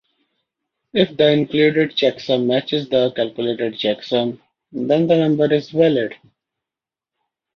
If the included checksum matches the calculated checksum, then the number is valid.